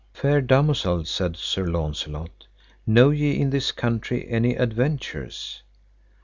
Fair damosel, said Sir Launcelot, know ye in this country any adventures?